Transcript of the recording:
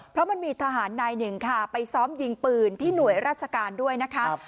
เพราะมันมีทหารนายหนึ่งค่ะไปซ้อมยิงปืนที่หน่วยราชการด้วยนะคะ